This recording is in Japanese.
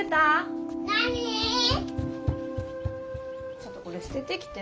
ちょっとこれすててきて。